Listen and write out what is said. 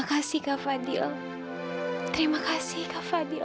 aku sudah mencintai kamila